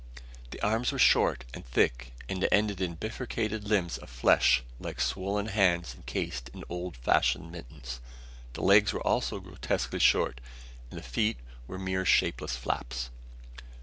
The arms were short and thick and ended in bifurcated lumps of flesh like swollen hands encased in old fashioned mittens. The legs were also grotesquely short, and the feet mere shapeless flaps.